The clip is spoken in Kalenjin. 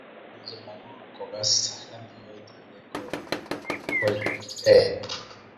mache lagok ko gas hadindiot agenge kogeny